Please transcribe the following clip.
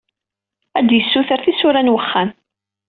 Ad d-yessutur tisura n wexxam.